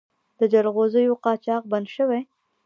د جلغوزیو قاچاق بند شوی؟